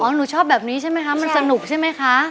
หนูชอบแบบนี้ใช่ไหมคะมันสนุกใช่ไหมคะ